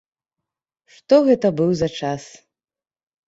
Што гэта быў за час?